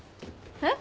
えっ？